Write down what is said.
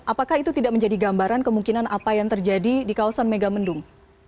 apakah itu tidak menjadi gambaran kemungkinan apa yang terjadi di kawasan megamendung